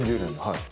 はい。